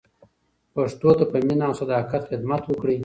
پښتو ته په مینه او صداقت خدمت وکړئ.